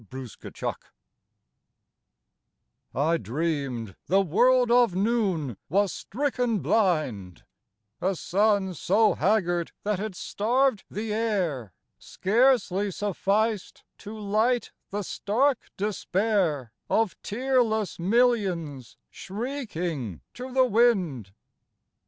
119 XXVI A DREAM I DREAMED the world of noon was stricken blind : A sun, so haggard that it starved the air, Scarcely sufficed to light the stark despair Of tearless millions shrieking to the wind.